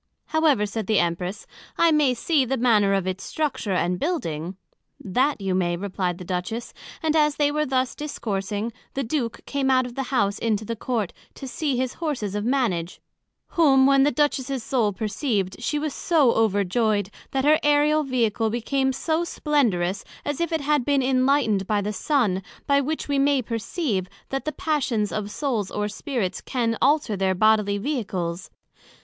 However, said the Empress, I may see the manner of its structure and building. That you may, replied the Duchess, and as they were thus discoursing, the Duke came out of the House into the Court, to see his Horses of Manage; whom when the Duchess's Soul perceived, she was so overjoyed, that her Aereal Vehicle became so splendorous, as if it had been enlightned by the Sun; by which we may perceive, that the passions of Souls or Spirits can alter their bodily Vehicles.